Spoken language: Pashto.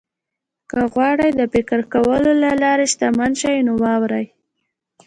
که غواړئ د فکر کولو له لارې شتمن شئ نو واورئ.